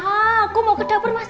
aku mau ke dapur mas